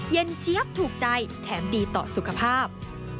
เจี๊ยบถูกใจแถมดีต่อสุขภาพ